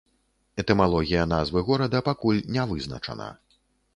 Этымалогія назвы горада пакуль не вызначана.